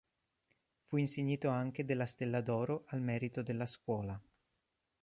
Fu insignito anche della Stella d'oro al merito della scuola.